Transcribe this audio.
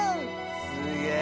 すげえ。